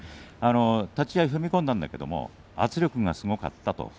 立ち合い踏み込んだんだけれども圧力がすごかったと。